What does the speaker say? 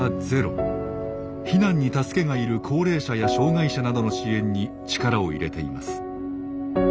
避難に助けがいる高齢者や障害者などの支援に力を入れています。